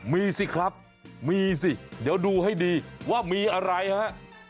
มีสิครับมีสิเดี๋ยวดูให้ดีว่ามีอะไรฮะ